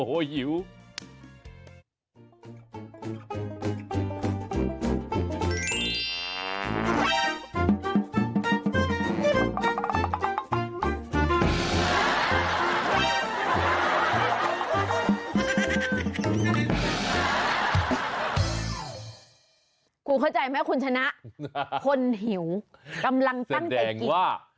โอ้โหหิว